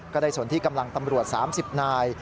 ก็ได้ส่วนที่กำลังตำรวจ๓๐นาย